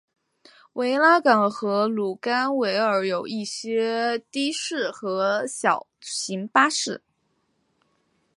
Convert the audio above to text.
维拉港和卢甘维尔有一些的士和小型巴士。